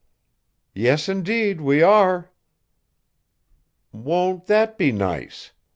"Yes, indeed, we are." "Won't that be nice?"